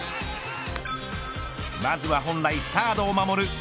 まずは本来サードを守る